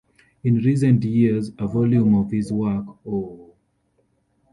In recent years a volume of his work, Oh!